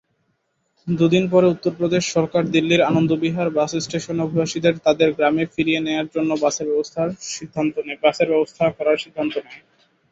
দু'দিন পরে উত্তরপ্রদেশ সরকার দিল্লির আনন্দ বিহার বাস স্টেশনে অভিবাসীদের তাদের গ্রামে ফিরিয়ে নেওয়ার জন্য বাসের ব্যবস্থা করার সিদ্ধান্ত নেয়।